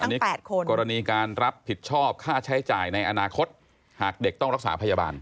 อันนี้๘คนกรณีการรับผิดชอบค่าใช้จ่ายในอนาคตหากเด็กต้องรักษาพยาบาล